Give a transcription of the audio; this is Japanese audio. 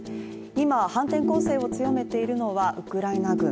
今、反転攻勢を強めているのはウクライナ軍。